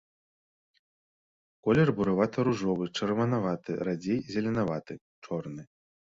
Колер буравата-ружовы, чырванаваты, радзей зеленаваты, чорны.